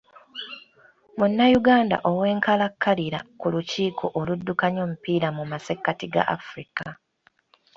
Munnayuganda ow’enkalakkalira ku lukiiko oluddukanya omupiira mu massekati ga Afirika.